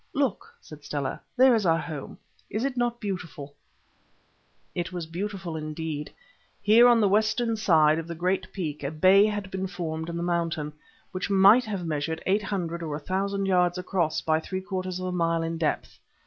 "Look!" said Stella, "there is our home. Is it not beautiful?" It was beautiful indeed. Here on the western side of the great peak a bay had been formed in the mountain, which might have measured eight hundred or a thousand yards across by three quarters of a mile in depth.